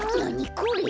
これ。